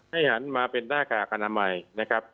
ให้หันมาเป็นหน้ากากการอำไหม